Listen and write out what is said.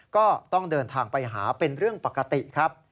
ก็ต้องเดินทางไปหาเป็นเรื่องปกติครับ